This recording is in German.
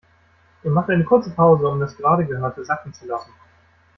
Er macht eine kurze Pause, um das gerade Gehörte sacken zu lassen.